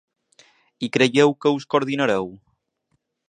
I creieu que us coordinareu?